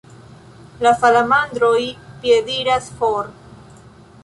La salamandroj piediras for.